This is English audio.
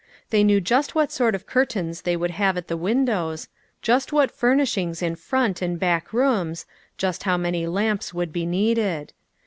They knew just what sort of curtains they would have at the the windows, just what furnishings in front and back rooms, just how many lamps would be needed.